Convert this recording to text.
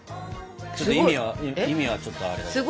ちょっと意味は意味はちょっとあれだけど。